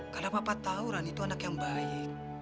karena papa tau rani tuh anak yang baik